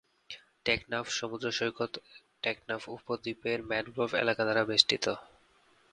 টেকনাফ সমুদ্র সৈকত টেকনাফ উপদ্বীপের ম্যানগ্রোভ এলাকা দ্বারা বেষ্টিত।